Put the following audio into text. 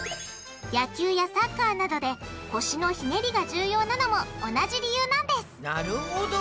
野球やサッカーなどで腰のひねりが重要なのも同じ理由なんですなるほど！